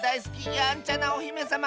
やんちゃなおひめさま